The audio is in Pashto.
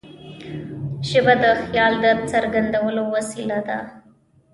ژبه د خیال د څرګندولو وسیله ده.